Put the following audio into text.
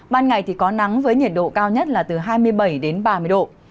ban ngày thì có nắng với nhiệt độ cao nhất là từ hai mươi bảy đến ba mươi độ